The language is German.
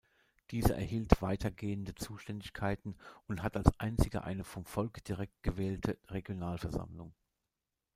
Dieser erhielt weitergehende Zuständigkeiten und hat als einziger eine vom Volk direkt gewählte "Regionalversammlung".